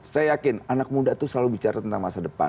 saya yakin anak muda itu selalu bicara tentang masa depan